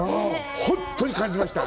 本当に感じました！